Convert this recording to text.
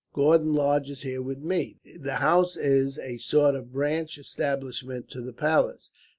Gordon lodges here with me. The house is a sort of branch establishment to the palace.